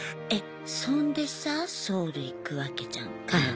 そんでさソウル行くわけじゃんか。